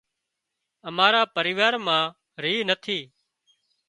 امارا پريوار مان ريهَه نٿِي